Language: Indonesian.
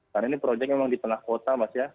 karena ini project memang di tengah kota mas ya